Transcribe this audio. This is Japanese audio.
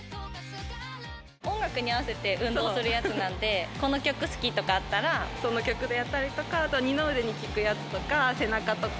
音楽に合わせて運動するやつなんで、この曲、好きとかあったら、その曲でやったりとか、あと二の腕に効くやつとか、背中とか。